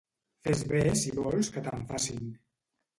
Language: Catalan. Fes bé si vols que te'n facin.